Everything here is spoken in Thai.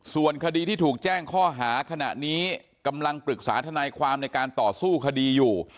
ส่วนคดีที่ถูกแจ้งข้อหาขณะนี้กำลังปรึกษาทนายความในการต่อสู้คดีอยู่